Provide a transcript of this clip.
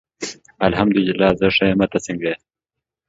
الحمد الله زه ښه یم ته څنګه یی